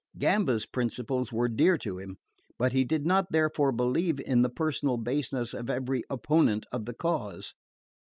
Gamba's principles were dear to him; but he did not therefore believe in the personal baseness of every opponent of the cause.